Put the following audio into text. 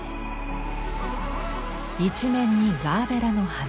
一面にガーベラの花。